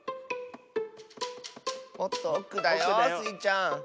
もっとおくだよスイちゃん。